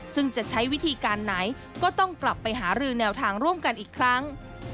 ซึ่งจะใช้วิธีการไหนก็ต้องกลับไปหารือแนวทางร่วมกันอีกครั้ง